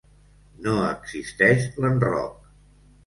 No existeix l'enroc.